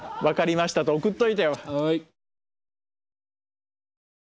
「分かりました」と送っといてよ。